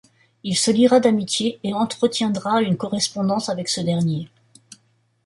Il se liera d’amitié et entretiendra une correspondance avec ce dernier.